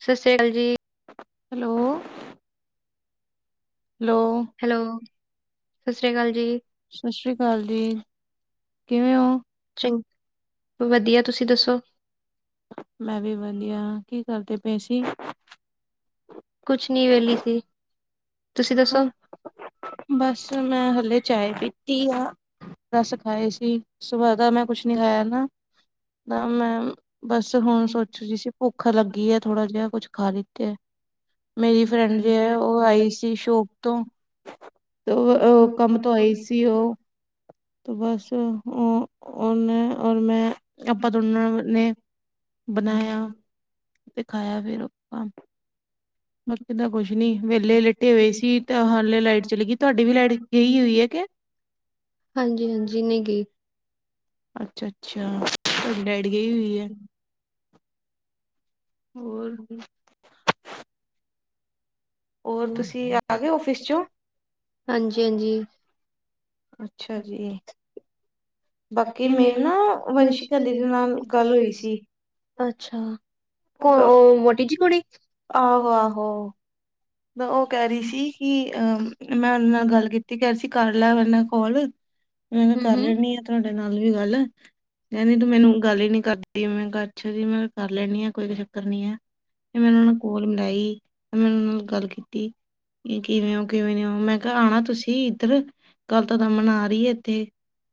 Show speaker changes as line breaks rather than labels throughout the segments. ਸਤਿ ਸ਼੍ਰੀ ਅਕਾਲ ਜੀ।
ਹੈਲੋ,
ਹੈਲੋ, ਸਤਿ ਸ਼੍ਰੀ ਅਕਾਲ ਜੀ। ਚੰ, ਵਧੀਆ ਤੁਸੀਂ ਦੱਸੋ।
ਮੈਂ ਵੀ ਵਧੀਆ, ਕੀ ਕਰਦੇ ਪਏ ਸੀ?
ਕੁਛ ਨਈ ਵਿਹਲੀ ਸੀ, ਤੁਸੀਂ ਦੱਸੋ?
ਬਸ ਮੈਂ ਹਲੇ ਚਾਏ ਪੀਤੀ ਆ, ਰਸ ਖਾਏ ਸੀ ਸੁਬਹ ਦਾ ਮੈਂ ਕੁਛ ਨੀ ਖਾਇਆ ਨਾ, ਤਾਂ ਮੈਂ ਬਸ ਹੁਣ ਸੋਚ ਰਹੀ ਸੀ ਭੁੱਖ ਲੱਗੀ ਹੈ ਥੋੜ੍ਹਾ ਜਿਹਾ ਕੁਛ ਖਾ ਲਿੱਤੇ। ਮੇਰੀ ਫਰੈਂਡ ਜੇ ਹੈ ਉਹ ਆਈ ਸੀ ਸ਼ੋਪ ਤੋਂ ਉਹ ਅ ਕੰਮ ਤਾਂ ਆਈ ਸੀ ਉਹ, ਤੇ ਬਸ ਓ ਉਹਨੇ ਔਰ ਮੈਂ ਆਪਾਂ ਦੋਨਾਂ ਨੇ ਬਣਾਇਆ, ਤੇ ਖਾਇਆ ਫਿਰ, ਫਰਕ ਦਾ ਕੁਛ ਨੀ ਵਿਹਲੇ ਲਿਟੇ ਹੋਏ ਸੀ ਤਾਂ ਹ ਲਾਈਟ ਚਲੇ ਗਈ ਤੁਹਾਡੀ ਵੀ ਲਾਈਟ ਇਹੀ ਹੋਈ ਹੈ ਕੇ।
ਹਾਂਜੀ-ਹਾਂਜੀ ਨਹੀਂ ਗਈ।
ਅੱਛਾ-ਅੱਛਾ, ਲੈਟ ਗਈ ਹੋਈ ਹੈ।
ਹੂ,
ਹੋਰ ਤੁਸੀਂ ਆ ਗਏ ਔਫਿਸ ਚੋਂ, ਹਾਂਜੀ। ਅੱਛਾ ਜੀ। ਬਾਕੀ ਮੇਰੇ ਨਾ ਵੰਸ਼ਿਕਾਂ ਦੀਦੀ ਨਾਲ ਗੱਲ ਹੋਈ ਸੀ।
ਅੱਛਾ, ਕੋ ਉਹ ਮੋਟੀ ਜੀ ਕੁੜੀ, ਆਹੋ ਹਾਂ।
ਉਹ ਕਹਿ ਰਹੀ ਸੀ ਕਿ ਅਹ ਮੈਂ ਉਹਨਾਂ ਨਾਲ ਗੱਲ ਕੀਤੀ ਕਹਿ ਰਹੀ ਸੀ ਕਰ ਲੈ ਮੇਰੇ ਨਾਲ ਕਾਲ। ਮੈਂ ਤਾਂ ਕਰ ਲੈਦੀ ਆ ਤੁਹਾਡੇ ਨਾਲ ਵੀ ਗੱਲ ਕਹਿੰਦੀ ਤੂੰ ਮੈਨੂੰ ਗੱਲ ਹੀ ਨੀ ਕਰਦੀ ਜਿਵੇ ਮੈ ਅੱਛਾ ਕਰ ਲੈਣੀ ਆ ਕੋਈ ਚੱਕਰ ਨੀ ਆ, ਤੇ ਮੈਂ ਉਹ ਕੋਲ ਮਿਲਾਈ, ਮੈਂ ਉਹਨਾ ਨਾਲ ਗੱਲ ਕੀਤੀ। ਇਹ ਕਿਵੇਂ ਹੋ ਕਿਵੇਂ ਨੀ ਹੋ ਮੈਂ ਕਿਹਾ ਆਉਣਾ ਤੁਸੀਂ ਇੱਧਰ ਕੱਲ੍ਹ ਤਾਂ ਦਮਮਨ ਆ ਰਹੀ ਇੱਥੇ।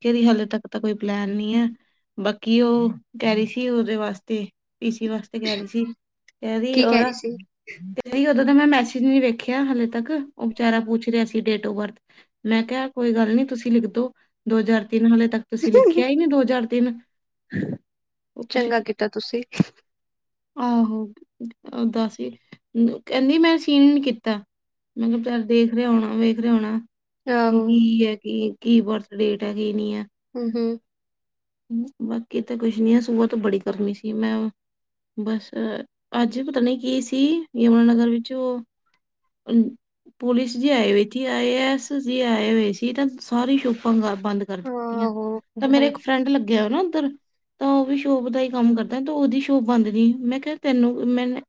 ਕਹਿੰਦੀ ਹਾਲੇ ਤੱਕ ਤਾਂ ਕੋਈ ਪਲੈਨ ਨਹੀਂ ਹੈ। ਬਾਕੀ ਉਹ ਕਹਿ ਰਹੀ ਸੀ ਉਹਦੇ ਵਾਸਤੇ, ਏ ਸੀ ਵਾਸਤੇ ਕਹਿ ਰਹੀ ਸੀ। ਕਹਿੰਦੀ ੳਹਦਾ ਕਹਿੰਦੀ ਉਹਦਾ ਤੇ ਮੈਂ ਮੈਸੇਜ ਨਹੀਂ ਵੇਖਿਆ ਹਾਲੇ ਤੱਕ ਉਹ ਵਿਚਾਰਾ ਪੁੱਛ ਰਿਹਾ ਸੀ ਡੇਟ ਔਫ ਬਰਥ, ਮੈਂ ਕਿਹਾ ਕੋਈ ਗੱਲ ਨੀ ਤੁਸੀਂ ਲਿਖ ਦੋ ਦੋ ਹਜ਼ਾਰ ਤਿੰਨ ਹਾਲੇ ਤੱਕ ਤੁਸੀਂ ਲਿਖਿਆ ਹੀ ਨਹੀਂ ਦੋ ਹਜ਼ਾਰ ਤਿੰਨ।
ਚੰਗਾ ਕੀਤਾ ਤੁਸੀ।
ਆਹੋ ਦੱਸ ਹੀ ਕਹਿੰਦੀ ਮੈਂ ਸੀਨ ਨੀ ਕੀਤਾ। ਮੈ ਕਯਾ ਵਿਚਾਰਾ ਦੇਖ ਰਹਾ ਹੋਣਾ ਵੇਖ ਰਿਹਾ ਹੋਣਾ ਕਿ ਕੀ ਹੈ ਕੀ। ਕੀ ਬਰਥਡੇਟ ਹੈ ਕੀ ਨੀ ਏ।
ਹਮ ਹਮ।
ਬਾਕੀ ਤਾਂ ਕੁਛ ਨੀ ਆ ਸੁਬਹ ਤੋਂ ਬੜੀ ਗਰਮੀ ਸੀ। ਮੈਂ ਬਸ ਅੱਜ ਪਤਾ ਨੀ ਕੀ ਸੀ? ਯਮੁਨਾਨਗਰ ਵਿੱਚ ਉਹ ਅ ਪੁਲਿਸ ਜੇ ਆਏ ਹੋਈ ਸੀ ਆਈ ਏ ਐੱਸ ਜੇ ਆਏ ਹੋਏ ਸੀ ਤਾਂ ਸਾਰੀ ਸ਼ੋਪਾਂ ਬੰਦ ਕਰ ਦਿੱਤੀ। ਤੇ ਮੇਰੇ ਇੱਕ ਫਰੈਂਡ ਲੱਗਿਆ ਹੋ ਨਾ ਉੱਧਰ। ਤਾਂ ਉਹ ਵੀ ਸ਼ੋਪ ਦਾ ਹੀ ਕੰਮ ਕਰਦਾ ਤੇ ਉਹਦੀ ਸ਼ੋਪ ਬੰਦ ਨੀ ਮੈਂ ਕਿਹਾ ਤੈਨੂੰ ਮੈਨ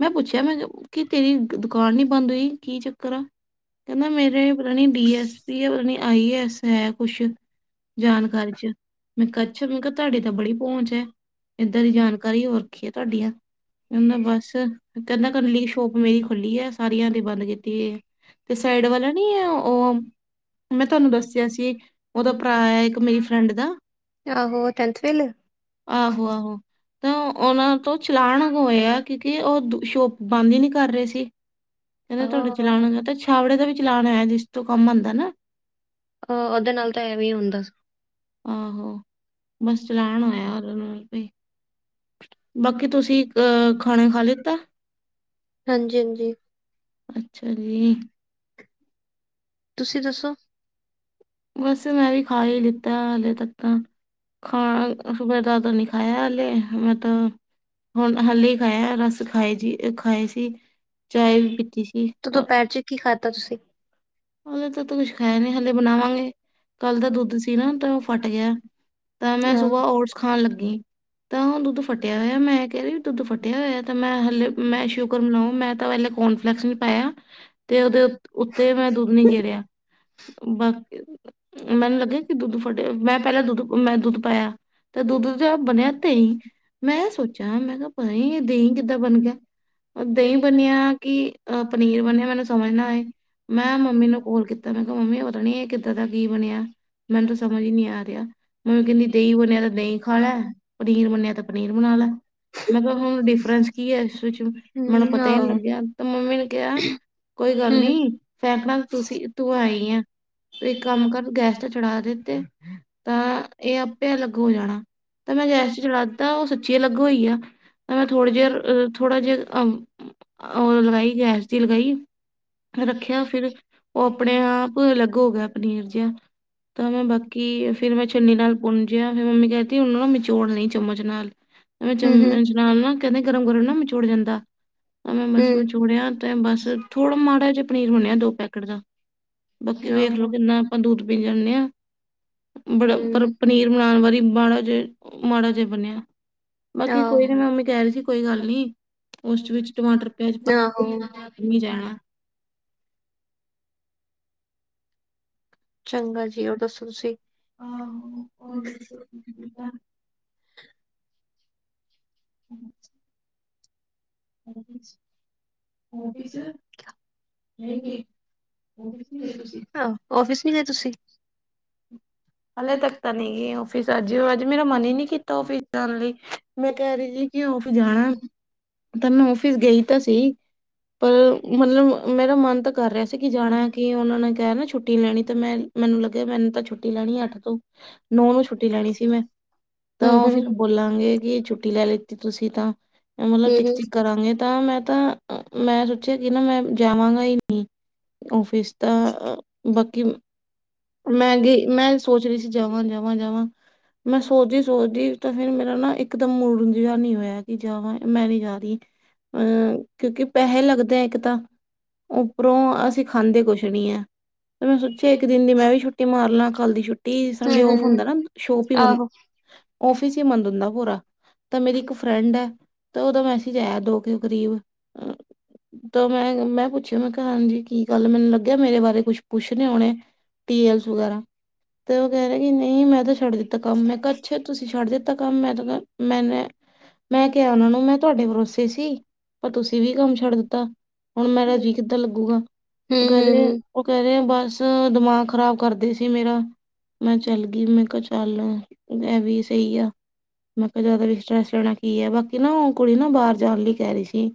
ਮੈਂ ਪੁੱਛਿਆ ਮੈਂ ਕੀ ਤੇਰੀ ਦੁਕਾਨ ਨੀ ਬੰਦ ਹੋਈ ਕੀ ਚੱਕਰ ਆ। ਕਹਿੰਦਾ ਮੇਰੇ ਪਤਾ ਨਹੀਂ ਡੀਐੱਸਪੀ ਹੈ ਪੱਤਾ ਨਹੀ ਆਇਐਸ ਹੈ ਕੁਛ। ਜਾਣਕਾਰੀ ਚ ਮੈਂ ਅਛ ਮੈਂ ਕਿਹਾ ਤੁਹਾਡੀ ਤਾਂ ਬੜੀ ਪਹੁੰਚ ਏ। ਐਦਾਂ ਦੀ ਜਾਣਕਾਰੀ ਹੋਰ ਕੀ ਏ ਹਤੁਹਾਡੀਆਂ। ਕਹਿੰਦਾ ਬਸ ਕਹਿੰਦਾ ਕੱਲੀ ਸ਼ੋਪ ਮੇਰੀ ਖੁੱਲੀ ਏ ਸਾਰੀਆਂ ਦੀ ਬੰਦ ਕੀਤੀ ਏ। ਤੇ ਸਾਈਡ ਵਾਲਾ ਨੀ ਏ ਉਹ। ਮੈਂ ਤੁਹਾਨੂੰ ਦੱਸਿਆ ਸੀ ਉਦਾ ਭਰਾ ਆਯਾ ਇੱਕ ਮੇਰੀ ਫਰੈਂਡ ਦਾ।
ਆਹੋ ਟੈਨਫੀਲ
ਆਹੋ ਆਹੋ। ਉਹਨਾਂ ਤੋਂ ਚਲਾਨ ਹੋਇਆ ਕਿਉਂਕਿ ਉਹ ਸ਼ੋਪ ਬੰਦ ਹੀ ਨਹੀਂ ਕਰ ਰਹੇ ਸੀ। ਕਹਿੰਦੇ ਤੁਹਾਡਾ ਚਲਾਨ ਤੇ ਛਾਬਰੇ ਦਾ ਵੀ ਚਲਾਉਣ ਆਇਆ ਜਿਸ ਤੋਂ ਕੰਮ ਆਉਂਦਾ ਨਾ।
ਅ ਉਹਦੇ ਨਾਲ ਤਾਂ ਐਵੇਂ ਹੀ ਹੁੰਦਾ।
ਆਹੋ ਬਸ ਚਲਾਨ ਹੋਇਆ ਓਦਰੋ। ਬਾਕੀ ਤੁਸੀਂ ਅ ਖਾਣਾ ਖਾ ਲਿੱਤਾ। ਅੱਛਾ ਜੀ।
ਤੁਸੀਂ ਦੱਸੋ।
ਬਸ ਮੈਂ ਵੀ ਖਾ ਹੀ ਲਿੱਤਾ ਹਾਲੇ ਤੱਕ ਤਾਂ। ਖਾਣਾ ਸੁਭਏ ਦਾ ਤਾਂ ਨਹੀਂ ਖਾਇਆ ਹਾਲੇ ਮੈਂ ਤਾਂ ਹੁਣ ਹਾਲੀ। ਖਾਇਆ ਰਸ ਖਾਏ ਜੀ ਖਾਏ ਸੀ ਚਾਏ ਵੀ ਪੀਤੀ ਸੀ।
ਕੀ ਖਾਧਾ ਤੁਸੀਂ।
ਹਲੇ ਤਾਂ ਤਾਂ ਕੁਛ ਖਾਇਆ ਨਹੀ ਹਲੇ ਬਣਾਵਾਂਗੇ। ਕੱਲ ਦਾ ਦੁੱਧ ਸੀ ਨਾ ਤਾਂ ਉਹ ਫਟ ਗਿਆ। ਤਾਂ ਮੈਂ ਸੁਬਾਹ ਔਟਸ ਖਾਣ ਲੱਗੀ ਤਾਂ ਹੁਣ ਦੁੱਧ ਫਟਿਆ ਹੋਇਆ ਮੈਂ ਕਹਿ ਰਹੀ ਦੁੱਧ ਫਟਿਆ ਹੋਇਆ ਤਾਂ ਮੈਂ ਹਲੇ ਮੈਂ ਸ਼ੁਕਰ ਮਨਾਓ ਮੈਂ ਤਾਂ ਪਹਿਲੇ ਕੋਰਨਫਲੈਕਸ ਨਹੀ।
ਹ
ਤੇ ਉਹਦੇ ਉੱਤੇ ਮੈਂ ਦੁੱਧ ਨੀ ਗੇਰਿਆ ਬਾਕੀ ਮੈਨੂੰ ਲੱਗਿਆ ਕਿ ਦੁੱਧ ਫਟਿਆ ਮੈਂ ਪਹਿਲਾਂ ਦੁੱਧ ਮੈਂ ਦੁੱਧ ਪਾਇਆ। ਤੇ ਦੁੱਧ ਚ ਬਣਿਆ ਦਹੀਂ ਮੈਂ ਸੋਚਿਆ ਮੈਂ ਕਿਹਾ ਪਤਾ ਦਹੀਂ ਕਿੱਦਾਂ ਬਣ ਗਿਆ। ਦਹੀਂ ਬਣਿਆ ਕਿ ਅਹ ਪਨੀਰ ਬਣਿਆ ਮੈਨੂੰ ਸਮਝ ਨਾ ਏ। ਮੈਂ ਮੰਮੀ ਨੂੰ ਕਾੱਲ ਕੀਤਾ ਮੈਂ ਕਿਹਾ ਮੰਮੀ ਪਤਾ ਨੀ ਇਹ ਕਿੱਦਾਂ ਦਾ ਕੀ ਬਣਿਆ ਮੈਨੂੰ ਤਾਂ ਸਮਝ ਹੀ ਨਹੀਂ ਆ ਰਿਹਾ। ਮੰਮੀ ਕਹਿੰਦੀ ਦਹੀਂ ਬਨਿਆ ਤਾਂ ਦਹੀਂ ਖਾ ਲੈ ਪਨੀਰ ਬਨਿਆ ਤਾਂ ਪਨੀਰ ਬਣਾ ਲੈ। ਮੈ ਕਯਾ ਹੁਣ ਡਿਫਰੈਂਸ ਕੀ ਏ ਇਸ ਵਿੱਚ? ਮੈਨੂੰ ਪਤਾ ਹੀ ਨਹੀਂ ਲੱਗਿਆ ਤੇ ਮੰਮੀ ਨੇ ਕਿਹਾ। ਕੋਈ ਗੱਲ ਨੀ ਫੈਂਕਣਾ ਤੁਸੀਂ ਤੂੰ ਆਈ ਆ ਤੂੰ ਇੱਕ ਕੰਮ ਕਰ ਗੈਸ ਤੇ ਫੜਾ ਦਿੱਤੇ। ਤਾਂ ਇਹ ਆਪੇ ਅਲੱਗ ਹੋ ਜਾਣਾ ਤਾਂ ਮੈਂ ਗੈਸ ਚ ਚਲਾ ਦਿੱਤਾ ਉਹ ਸੱਚੀ ਅਲਗ ਹੋਈ ਗਿਆ। ਐ ਮੈਂ ਥੋੜੀ ਜਿਰ ਥੋੜਾ ਜਿਹਾ ਅੱਮ ਉਹ ਲਗਾਈ ਗੈਸ ਦੀ ਲਗਾਈ ਫਿਰ ਦੇਖਿਆ ਫਿਰ ਉਹ ਆਪਣੇ ਆਪ ਅਲੱਗ ਹੋ ਗਿਆ ਪਨੀਰ ਜਿਹਾ। ਤਾਂ ਮੈਂ ਬਾਕੀ ਫੇਿਰ ਮੈਂ ਚੁੰਨੀ ਨਾਲ ਪੁੰਜਿਆ ਫਿਰ ਮੰਮੀ ਕਹਿਤੀ ਉਹਨ ਨਾ ਮੀਚੋੜ ਲਈ ਚਮਚ ਨਾਲ। ਐਵੇਂ ਚਮਚ ਨਾਲ ਨਾ ਕਹਿੰਦੇ ਗਰਮ ਕਰਨ ਨਾਲ ਮਿਚੂੜ ਜਾਂਦਾ। ਤਾਂ ਮੈਂ ਬਸ ਮੇੰ ਜੋੜਿਆ ਤੇ ਬਸ ਥੋੜਾ ਮਾੜਾ ਜਿਹਾ। ਹੋਣੇ ਆ ਦੋ ਪੈਕੇਟ ਦਾ, ਬਾਕੀ ਵੇਖ ਲੋ ਕਿੰਨਾ ਆਪਾਂ ਦੁੱਧ ਪੀ ਜਾਂਦੇ ਹਾਂ? ਬੜ ਪਰ ਪਨੀਰ ਬਣਾਉਣ ਵਾਰੀ ਮਾੜਾ ਜਿਹਾ ਬਣਿਆ। ਬਾਕੀ ਕੋਈ ਨੀ ਮੈਂ ਮੰਮੀ ਕਹਿ ਰਹੀ ਸੀ ਕੋਈ ਗੱਲ ਨੀ। ਉਸ ਵਿੱਚ ਟਮਾਟਰ ਪਿਆਜ ਪਾ ਜਾਣਾ।
ਚੰਗਾ ਜੀ, ਹੋਰ ਦੱਸੋ ਤੁਸੀ? ਅੱਛਾ ਆਫਿਸ ਨਹੀਂ ਗਈ। ਆਫਿਸ ਨੀ ਗਏ ਤੁਸੀਂ?
ਹਾਲੇ ਤੱਕ ਤਾਂ ਨਹੀ ਹੈ, ਆਫਿਸ ਅਜ ਅਜ ਮੇਰਾ ਮਨ ਹੀ ਨਹੀਂ ਕੀਤਾ। ਆਫਿਸ ਜਾਣ ਲਈ, ਮੈਂ ਕਹਿ ਰਹੀ ਸੀ ਕਿ ਆਫਿਸ ਜਾਣਾ। ਤੰਨੂੰ ਆਫਿਸ ਗਈ ਤਾਂ ਸੀ।
ਹਾਂ [inaudible]
ਮਤਲਬ ਮੇਰਾ ਮਨ ਤਾਂ ਕਰ ਰਿਹਾ ਸੀ ਕਿ ਜਾਣਾ ਕਿ ਉਹਨਾਂ ਨੇ ਕਿਹਾ ਨਾ ਛੁੱਟੀ ਲੈਣੀ ਤੇ ਮੈਂ। ਮੈਨੂੰ ਲਗਿਆ ਮੈਨੂੰ ਤਾਂ ਛੁ ਲੈਣੀ ਅੱਠ ਤੋਂ ਨੌ ਨੂੰ ਛੁੱਟੀ ਲੈਣੀ ਸੀ, ਮੈਂ ਤਾਂ ਉਹ ਫਿਰ ਬੋਲਾਂ ਕਿ ਛੁੱਟੀ ਲੈ ਲਿੱਤੀ ਤੁਸੀਂ ਤਾਂ ਮਤਲਬ ਚਿਕ- ਚਿਕ ਕਰਾਂਗੇ ਤਾਂ ਮੈਂ ਤਾਂ ਮੈਂ ਸੋਚਿਆ ਕਿ ਨਾ, ਮੈਂ ਜਾਵਾਂਗਾ ਹੀ ਨਹੀਂ। ਆਫਿਸ ਤਾਂ, ਬਾਕੀ ਮੈਂ ਗ- ਮੈਂ ਸੋਚ ਰਹੀ ਸੀ ਜਾਵਾਂ, ਜਾਵਾਂ, ਜਾਵਾਂ ਮੈਂ ਸੋਚਦੀ- ਸੋਚਦੀ ਤਾਂ ਫੇਰ ਮੇਰਾ ਨਾ ਇੱਕ ਇਕਦਮ ਮੂਡ ਜਿਹਾ ਨਹੀਂ ਹੋਇਆ ਕਿ ਜਾਵਾਂ ਮੈਂ ਨੀ ਜਾ ਰਹੀ। ਅਹ ਕਿਉਂਕਿ ਪੈਸੇ ਲੱਗਦੇ ਆ ਇੱਕ ਤਾਂ, ਉੱਪਰੋਂ ਅਸੀਂ ਖਾਂਦੇ ਕੁਛ ਨੀ ਆ, ਤੇ ਮੈਂ ਸੋਚਿਆ ਇੱਕ ਦਿਨ ਦੀ ਮੈਂ ਵੀ ਛੁੱਟੀ ਮਾਰ ਲਾਂ। ਕੱਲ ਦੀ ਛੁੱਟੀ ਸੰਡੇ ਆਫ ਹੁੰਦਾ ਨਾ ਸ਼ੋਪ ਵੀ ਬੰਦ। ਆਫਿਸ ਸੀ ਬੰਦ ਹੁੰਦਾ ਪੂਰਾ, ਤਾਂ ਮੇਰੀ ਇੱਕ। ਫਰੈਂਡ ਹੈ ਤੇ ਉਹਦਾ ਮੈਸੇਜ ਆਇਆ ਦੋ ਕੁ ਕਰੀਬ ਤਾਂ ਮੈਂ ਮੈਂ ਪੁੱਛ? ਮੈਂ ਕਿਹਾ ਹਾਂਜੀ ਕੀ ਗੱਲ, ਮੈਨੂੰ ਲੱਗਿਆ ਮੇਰੇ ਬਾਰੇ ਕੁੱਛ ਪੁੱਛਣੇ ਹੋਣੇ? ਡੇਲਸ ਵਗੈਰਾ ਤੇ ਉਹ ਕਹਿ ਰਹੇ ਕਿ ਨਹੀਂ, ਮੈਂ ਤਾਂ ਛੱਡ ਦਿੱਤਾ ਕੰਮ ਮੈਂ ਕਿਹਾ ਅੱਛਾ ਤੁਸੀਂ ਛੱਡ ਦਿੱਤਾ ਕੰਮ? ਮੈਂ ਤਾਂ ਮੈਨੇ ਮੈਂ ਕਿਹਾ ਉਹਨਾਂ ਨੂੰ ਮੈਂ ਤੁਹਾਡੇ ਭਰੋਸੇ ਸੀ, ਪਰ ਤੁਸੀਂ ਵੀ ਕੰਮ ਛੱਡ ਦਿੱਤਾ? ਹੁਣ ਮੇਰਾ ਜੀ ਕਿੱਦਾਂ ਲੱਗੂਗਾ, ਉਹ ਕਹਿ ਰਹੇ। ਉਹ ਕਹਿ ਰਹੇ ਬਸ ਦਿਮਾਗ ਖ਼ਰਾਬ ਕਰਦੀ ਸੀ। ਕਿ ਮੇਰਾ ਮੈਂ ਚੱਲ ਗਈ ਮੈਂ ਕਿਹਾ ਚੱਲ ਇਹ ਵੀ ਸਹੀ ਆ। ਮੈਂ ਕਿਹਾ ਜ਼ਿਆਦਾ ਵੀ ਸਟਰੈਸ ਲੈਣਾ ਕੀ ਹੈ, ਬਾਕੀ ਨਾ ਉਹ ਕੁੜੀ ਨਾ ਬਾਹਰ ਜਾਣ ਲਈ ਕਹਿ ਰਹੀ ਸੀ।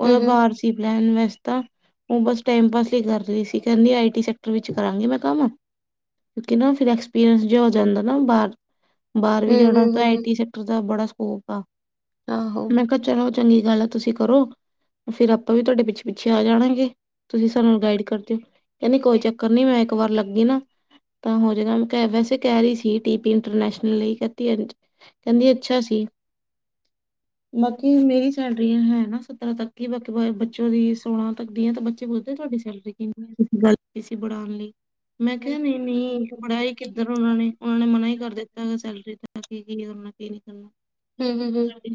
ਉਹਦਾ ਬਾਹਰ ਸੀ ਪਲੈਨ ਵੈਸੇ ਤਾਂ। ਉਹ ਬਸ ਟਾਈਮ ਪਾਸ ਲਈ ਕਰ ਰਹੀ ਸੀ, ਕਹਿੰਦੀ ਆਈ ਟੀ ਸੈਕਟਰ ਵਿੱਚ ਕਰਾਂਗੀ ਮੈਂ ਕੰਮ। ਕਿਉਕਿ ਨਾ ਫਿਰ ਐਕਸਪੀਰੀਅੰਸ ਜ ਹੋ ਜਾਂਦਾ ਨਾ ਬਾਹਰ ਬਾਹਰ ਵੀ ਜਾਣਾ ਤਾਂ ਆਈ ਟੀ ਸੈਕ-। ਉਹਦਾ ਬੜਾ ਸਕੋਪ ਆ, ਮੈਂ ਕਿਹਾ ਚਲੋ ਚੰਗੀ ਗੱਲ ਆ ਤੁਸੀਂ ਕਰੋ। ਫਿਰ ਆਪਾਂ ਵੀ ਤੁਹਾਡੇ ਪਿੱਛੇ- ਪਿੱਛੇ ਆ ਜਾਣਾਂਗੇ, ਤੁਸੀਂ ਸਾਨੂੰ ਗਾਈਡ ਕਰ ਦਿਓ, ਕਹਿੰਦੀ ਕੋਈ ਚੱਕਰ। ਕਹਿੰਦੀ ਮੈਂ ਇੱਕ ਵਾਰ ਲੱਗੀ ਨਾ। ਤਾਂ ਹੋ ਜਾਏਗਾ, ਮੈਂ ਕਿ ਵੈਸੇ ਕਹਿ ਰਹੀ ਸੀ ਟੀ ਪੀ ਇੰਟਰਨੈਸ਼ਨਲ ਲਈ ਕਤੀ। ਕਹਿੰਦੀ ਅੱਛਾ ਸੀ, ਬਾਕੀ ਮੇਰੀ ਸੈਲਰੀ ਹੈ ਨਾ ਸਤਰਾਂ ਤੱਕ। ਕਿ ਬਾਕੀ ਬ ਬੱਚੋਂ ਦੀ ਸੋਲਾ ਤੱਕਦੀ ਆ ਤਾਂ ਬੱਚੇ ਬੋਲਦੇ ਤੁਹਾਡੀ ਸੈਲਰੀ ਕਿੰਨੀ ਗੱਲ ਸੀ ਬਣਾਉਣ ਲਈ। ਨਹੀਂ ਨਹੀਂ ਬੜਾ, ਕਿੱਧਰੋ ਲਾਉਣੇ। ਉਹਨਾਂ ਨੇ ਮਨਾ ਹੀ ਕਰ ਦਿੱਤਾ, ਸੈਲਰੀ ਦਾ ਕੀ ਕੀ ਕਰਨਾ ਕੀ ਨੀ ਕਰਨਾ।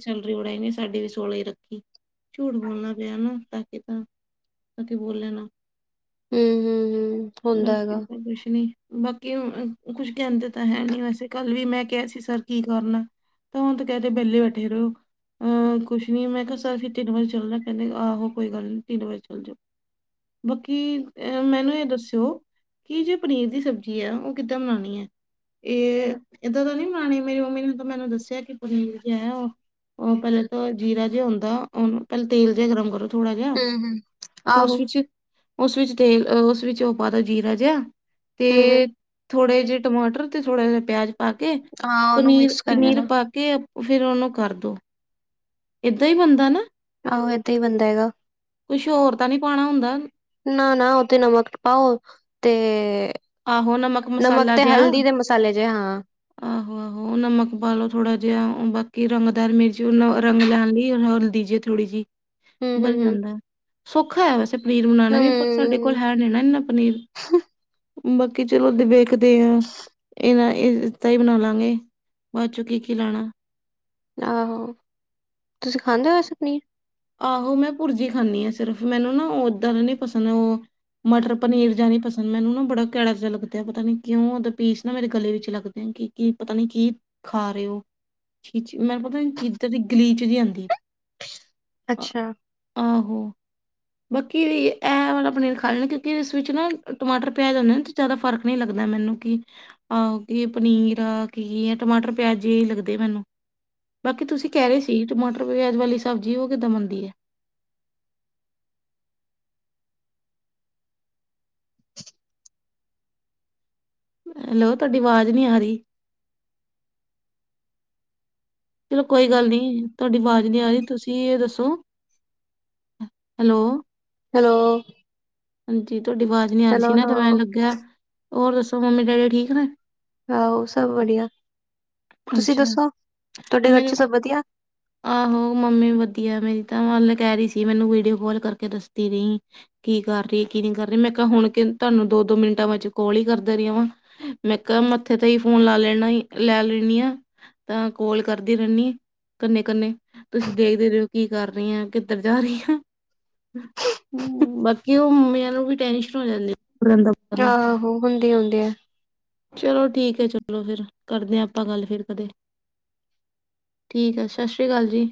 ਸੋਲਹ ਨੇ ਸਾਡੇ ਵੀ ਸੋਲਾ ਹੀ ਰੱਖੀ, ਝੂਠ ਬੋਲਣਾ ਪਿਆ ਨਾ ਤਾਂ ਕਿ ਤਾਂ। ਤਾਂ ਕੀ ਬੋਲੇ ਨਾ। [unintelligible] ਕੁਛ ਨੀ ਬਾਕੀ ਕੁੱਝ ਕਹਿੰਦੇ ਤਾਂ ਹੈ, ਨੀ ਵੈਸੇ ਕੱਲ ਵੀ ਮੈਂ ਕਿਹਾ ਸੀ ਸਰ। ਕੀ ਕਰਨਾ ਤਾਂ, ਹੁਣ ਤੇ ਕਹਿ ਦੇ ਵਿਹਲੇ ਬੈਠੇ ਰਹੋ। ਅਹ ਕੁਛ ਨੀ ਮੈਂ ਕਿਹਾ ਸਰ ਫਿਰ ਤਿੰਨ ਵਜੇ ਚੱਲਣਾ ਕਹਿੰਦੇ ਆਹੋ ਕੋਈ ਗੱਲ ਨੀ ਤਿੰਨ ਵਜੇ ਚੱਲ ਜਾਓ। ਵਕੀਲ ਆ ਮੈਨੂੰ ਇਹ ਦੱਸਿਓ ਕੀ ਜੇ ਪਨੀਰ ਦੀ ਸਬਜ਼ੀ ਹੈ ਉਹ ਕਿੱਦਾਂ ਬਣਾਉਣੀ ਹੈ। ਇਹ ਏਦਾਂ ਤਾਂ ਨੀ ਬਨਾਣੀ ਮੇਰੀ ਮੰਮੀ ਨੇ ਤਾਂ ਮੈਨੂੰ ਦੱਸਿਆ ਕਿ ਪੁਨੀਰ ਜੇ ਉਹ ਉਹ ਪਹਿਲੇ ਤਾਂ ਜੀਰਾ ਜਿਹਾ ਹੁੰਦਾ ਉਹਨੂੰ ਪਹਿਲਾਂ ਤੇਲ ਚ ਗਰਮ ਕਰਲੋ ਥੋੜਾ ਜਿਹਾ।
ਆਹੋ।
ਉਸ ਵਿੱਚ ਤੇਲ ਉਸ ਵਿੱਚ ਉਹ ਪਾ ਲੋ ਜੀਰਾ ਜਿਹਾ ਤੇ ਥੋੜੇ ਜਿਹੇ ਟਮਾਟਰ ਤੇ ਥੋੜਾ ਜਿਹਾ ਪਿਆਜ ਪਾ ਕੇ ਪਨੀਰ ਪਨੀਰ ਪਾ ਕੇ ਫਿਰ ਉਹਨੂੰ ਕਰ ਦਿਉ
ਇਦਾਂ ਹੀ ਬੰਦਾ ਨਾ ਆਹੋ ਏਦਾਂ ਹੀ ਬੰਦਾ ਹੈਗਾ। ਨਾ ਨਾ ਉਹ ਤੇ ਨਮਕ ਪਾਓ ਤੇ ਸਾਨੂੰ ਨਮਕ ਤੇ ਹਲਦੀ ਦੇ ਮਸਾਲੇ ਜੇ ਹਾਂ।
ਆਹੋ ਆਹੋ ਨਮਕ ਪਾਲੋ ਥੋੜਾ ਜਿਹਾ ਬਾਕੀ ਰਮਦਾਰ ਮਿਰਚ ਰੰਗ ਲੈੰਣ ਲਈ ਹਲਦੀ ਜੇਹੀ ਥੋੜੀ ਜਿਹੀ ਬਣ ਜਾਂਦਾ ਸੌਖਾ ਹੈ ਵੈਸੇ ਪਨੀਰ ਬਨਾਉਣਾ ਵੀ ਪਰ ਸਾਡੇ ਕੋਲ ਹੈ ਨਾਂ ਇੰਨਾ ਪਨੀਰ।
[unintelligible]
ਬਾਕੀ ਚਲੋ ਵੇਖਦੇ ਆ ਇਹਨਾ ਤਾਂ ਇਦਾਂ ਹੀ ਬਣਾ ਲਾਂਗੇ। ਬਾਅਦ ਚੋਂ ਕੀ ਖਿਲਾਣਾ?
ਆਹੋ, ਤੁਸੀਂ ਖਾਂਦੇ ਹੋ ਵੈਸੇ ਪਨੀਰ?
ਆਹੋ ਮੈਂ ਭੁਰਜੀ ਖਾਂਦੀ ਹਾਂ ਸਿਰਫ ਮੈਨੂੰ ਨਾ ਉਦਾਂ ਦਾ ਨੀ ਪਸੰਦ ਹੈ। ਉਹ ਮਟਰ ਪਨੀਰ ਜਾ ਨਹੀਂ ਪਸੰਦ। ਮੈਨੂੰ ਨਾ ਬੜਾ ਕੇੜਾ ਜਿਹਾ ਲੱਗਦਾ ਪਤਾ ਨੀ ਕਿਉਂਦਾ ਪੀਸ ਨਾ ਮੇਰੇ ਗਲੇ ਵਿੱਚ ਲੱਗਦੇ ਆ ਕੀ ਕੀ ਪਤਾ ਨੀ ਕੀ। ਖਾ ਰਹੇ ਹੋ ਛੀ ਛੀ ਮੈ ਪਤਾ ਨਹੀਂ ਕਿੱਧਰ ਦੀ ਗਲੀਚ ਲਿਆਂਦੀ।
ਅੱਛਾ।
ਆਹੋ ਬਾਕੀ ਇਹ ਵਾਲਾ ਪਨੀਰ ਖਾ ਲੈਣਾ ਕਿਉਂਕਿ ਸਵਿਚ ਨਾ ਟਮਾਟਰ ਪਿਆਜ ਹੁੰਦੇ ਨੇ ਤੇ ਜ਼ਿਆਦਾ ਫਰਕ ਨੀ ਲੱਗਦਾ ਮੈਨੂੰ ਕੀ ਆਹੋ ਕੀ ਪਨੀਰ ਆ ਕੀ ਆ ਟਮਾਟਰ ਪਿਆਜ ਜੇ ਲੱਗਦੇ ਮੈਨੂੰ। ਬਾਕੀ ਤੁਸੀਂ ਕਹਿ ਰਹੇ ਸੀ ਟਮਾਟਰ ਪਿਆਜ ਵਾਲੀ ਸਬਜ਼ੀ ਉਹ ਕਿੱਦਾਂ ਬਣਦੀ ਹੈ? ਹੈਲੋ ਤੁਹਾਡੀ ਆਵਾਜ਼ ਨਹੀਂ ਆ ਰਹੀ। ਚਲੋ ਕੋਈ ਗੱਲ ਨਹੀਂ ਤੁਹਾਡੀ ਆਵਾਜ਼ ਨਹੀਂ ਆ ਰਹੀ। ਤੁਸੀਂ ਇਹ ਦੱਸੋ
ਹੈਲੋ ਹੈਲੋ।
ਹਾਂਜੀ ਤੁਹਾਡੀ ਆਵਾਜ਼ ਨੀ ਆ ਰਹੀ ਸੀ ਨਾ ਤੇ ਐ ਲੱਗਿਆ। ਹੋਰ ਦੱਸੋ ਮੰਮੀ ਡੈਡੀ ਠੀਕ ਨੇ?
ਆਹੋ ਸਭ ਵਧੀਆ ਤੁਸੀਂ ਦੱਸੋ ਤੁਹਾਡੇ ਘਰ ਚ ਸਭ ਵਧੀਆ?
ਆਹੋ ਮੰਮੀ ਵਧੀਆ ਮੇਰੀ ਤਾਂ ਉਹ ਕਹਿ ਰਹੀ ਸੀ ਮੈਨੂੰ ਵੀਡੀਓ ਕੋਲ ਕਰਕੇ ਦੱਸਦੀ ਰਹੀ। ਕੀ ਕਰ ਰਹੀ ਹੈ ਕੀ ਨਹੀਂ ਕਰ ਰਹੀ ਮੈਂ ਕਿਹਾ ਹੁਣ ਕੀ ਤੁਹਾਨੂੰ ਦੋ ਦੋ ਮਿੰਟਾਂ ਵਿੱਚ ਕੋਲ ਹੀ ਕਰਦੀ ਰਵਾਂ। ਮੈਂ ਕਿਹਾ ਮੱਥੇ ਤੇ ਹੀ ਫੋਨ ਲਾ ਲੈਣਾ ਹੀ ਲੈ ਲੈਣਾ ਤਾਂ ਕੋਲ ਕਰਦੀ ਰਹਿੰਦੀ ਕੰਨੇ ਕੰਨੇ ਤੁਸੀਂ ਦੇਖਦੇ ਰਹੀਓ। ਕੀ ਕਰ ਰਹੀ ਹੈ ਕਿੱਧਰ ਜਾ ਰਹੀ ਹੈ? ਹੂ ਬਾਕੀ ਉਹ ਮੰਮਿਆਂ ਨੂੰ ਵੀ ਟੈਨਿਸ਼ ਹੋ ਜਾਂਦੇ। [unintelligible]
ਆਹੋ ਹੁੰਦੀ ਹੁੰਦੇ ਆ।
ਚਲੋ ਠੀਕ ਹੈ ਚਲੋ ਫਿਰ ਕਰਦੇ ਆਂ ਆਪਾਂ ਗੱਲ ਫਿਰ ਕਦੇ ਠੀਕ ਹੈ ਸਤਿ ਸ੍ਰੀ ਅਕਾਲ ਜੀ।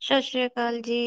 ਸਤਿ ਸ੍ਰੀ ਅਕਾਲ ਜੀ।